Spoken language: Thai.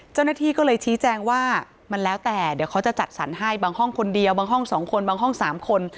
เจ้าหน้าที่ก็เลยชี้แจงว่ามันแล้วแต่เดี๋ยวเขาจะจัดสรรให้บางห้องคนเดียวบางห้อง๒คนบางห้อง๓คน